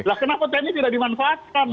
lah kenapa tni tidak dimanfaatkan